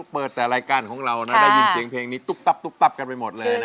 เปิดแต่รายการของเราได้ยินเสียงเพลงนี้ตุ๊บตับตุ๊บตับกันไปหมดเลย